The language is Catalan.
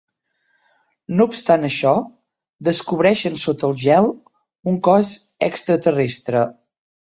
No obstant això, descobreixen sota el gel un cos extraterrestre.